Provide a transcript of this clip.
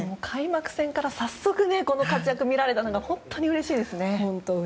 開幕戦から早速、活躍を見られたのが本当にうれしいですね。